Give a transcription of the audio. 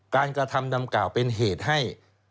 การกระทำดำเก่าเป็นเหตุให้